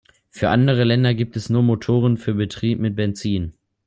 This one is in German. Für andere Länder gibt es nur Motoren für Betrieb mit Benzin.